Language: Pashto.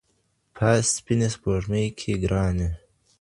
پاس سپيني سپوږمۍ كي ګراني !